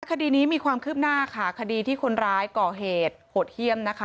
คดีนี้มีความคืบหน้าค่ะคดีที่คนร้ายก่อเหตุโหดเยี่ยมนะคะ